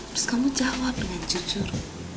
terus kamu jawab dengan jujur